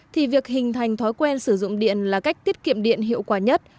thì việc hình thành thói quen sử dụng điện là cách tiết kiệm điện hiệu quả nhất